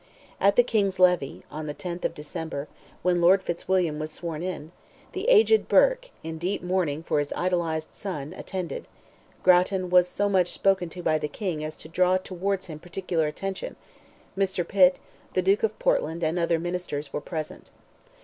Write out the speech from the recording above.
At the King's levee, on the 10th of December, when Lord Fitzwilliam was sworn in, the aged Burke, in deep mourning for his idolized son, attended; Grattan was so much spoken to by the King as to draw towards him particular attention; Mr. Pitt, the Duke of Portland, and other ministers, were present.